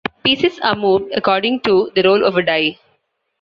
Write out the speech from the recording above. Pieces are moved according to the roll of a die.